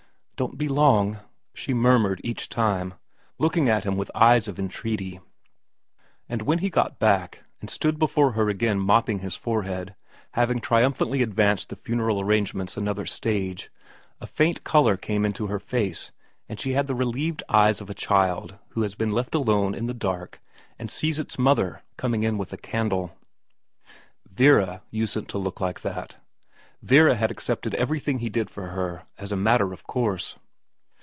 * Don't be long,' she murmured each time, looking at him with eyes of entreaty ; and when he got back, and stood before her again mopping his forehead, having triumphantly advanced the funeral arrangements another stage, a faint colour came into her face and she had the relieved eyes of a child who has been left alone in the dark and sees its mother coming in with a candle. Vera usedn't to look like that. Vera had accepted everything he did for her as a matter of course.